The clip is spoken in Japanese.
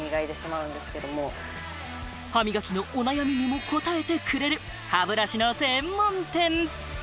歯磨きのお悩みにも答えてくれる歯ブラシの専門店。